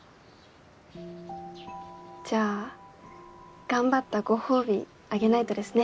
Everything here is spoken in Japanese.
じゃあ頑張ったご褒美あげないとですね。